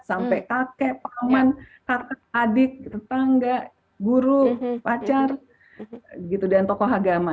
sampai kakek paman karena adik tetangga guru pacar gitu dan tokoh agama